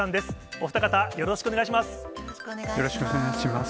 お二方、よろしくお願いします。